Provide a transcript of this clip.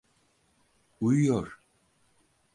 Uyuyor.